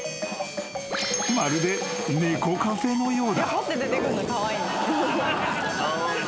［まるで猫カフェのようだ］